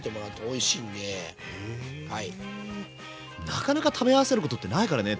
なかなか食べ合わせることってないからね